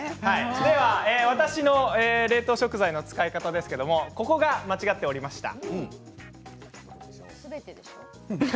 私の冷凍食材の使い方ですけれどここが間違っておりました。